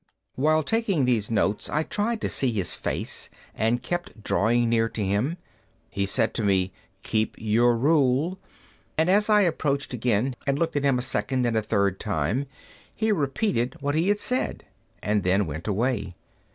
While taking these notes I tried to see his face, and kept drawing near to him. He said to me, "Keep your rule." And as I approached again, and looked at him a second and a third time, he repeated what he had said and then went away.